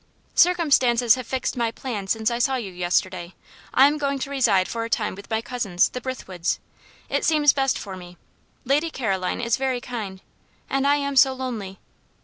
"Circumstances have fixed my plans since I saw you yesterday. I am going to reside for a time with my cousins, the Brithwoods. It seems best for me. Lady Caroline is very kind, and I am so lonely."